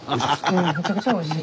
うんめちゃくちゃおいしい。